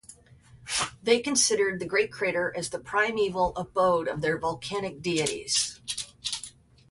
They considered the great crater as the primeval abode of their volcanic deities.